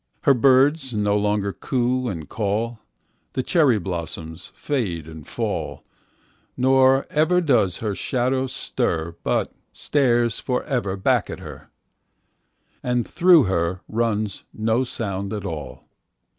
Her birds no longer coo and call, The cherry blossoms fade and fall, Nor ever does her shadow stir, But stares forever back at her, And through her runs no sound at all.